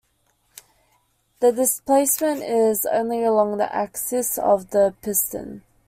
The displacement is only along the axis of the piston.